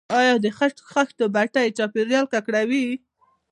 آیا د خښتو بټۍ چاپیریال ککړوي؟